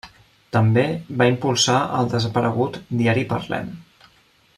També va impulsar el desaparegut Diari Parlem.